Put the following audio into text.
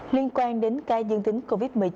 liên quan đến ca dương tính covid một mươi chín